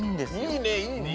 いいねいいね。